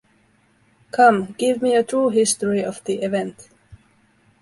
Come, give me a true history of the event.